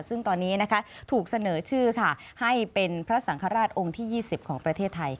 ซึ่งตอนนี้นะคะถูกเสนอชื่อค่ะให้เป็นพระสังฆราชองค์ที่๒๐ของประเทศไทย